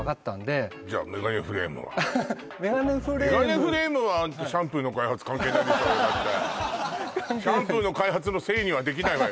アハハッメガネフレームメガネフレームはシャンプーの開発関係ないでしょうよだってシャンプーの開発のせいにはできないわよ